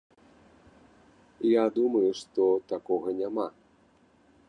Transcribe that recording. Я думаю, што такога няма.